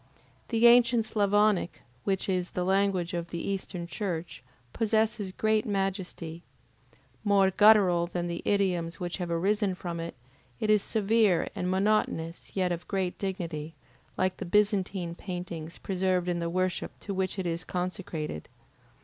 The ancient Sclavonic, which is the language of the Eastern Church, possesses great majesty. More guttural than the idioms which have arisen from it, it is severe and monotonous yet of great dignity, like the Byzantine paintings preserved in the worship to which it is consecrated.